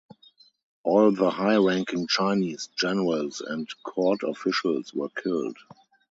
All the high-ranking Chinese generals and court officials were killed.